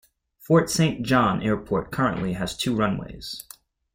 Fort Saint John Airport currently has two runways.